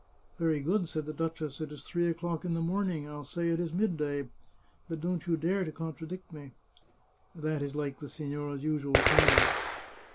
" Very good," said the duchess, " it is three o'clock in the morning. I'll say it is midday. But don't you dare to con tradict me !"" That is like the signora's usual kindness."